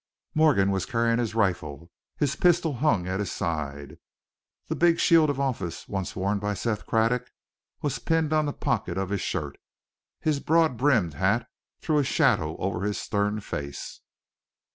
Morgan was carrying his rifle; his pistol hung at his side. The big shield of office once worn by Seth Craddock was pinned on the pocket of his shirt; his broad brimmed hat threw a shadow over his stern face.